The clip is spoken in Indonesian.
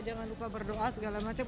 jangan lupa berdoa segala macam